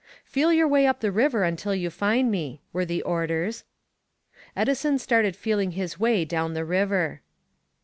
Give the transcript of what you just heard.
"Feel your way up the river until you find me," were the orders. Edison started feeling his way down the river.